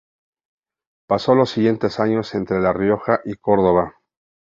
Pasó los siguientes años entre La Rioja y Córdoba.